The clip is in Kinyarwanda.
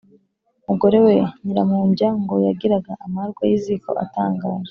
mugore we, Nyirampumbya ngo yagiraga amarwa y’iziko atangaje.